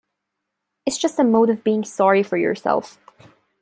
It's just a mode of being sorry for yourself.